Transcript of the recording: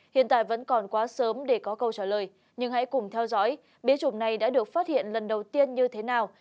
hiện tại vẫn còn quá sớm để có câu trả lời nhưng hãy cùng theo dõi bí chùm này đã được phát hiện lần đầu tiên như thế nào